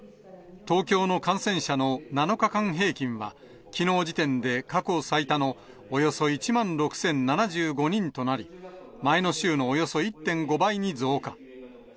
東京の感染者の７日間平均は、きのう時点で、過去最多のおよそ１万６０７５人となり、前の週のおよそ１．５倍に増加。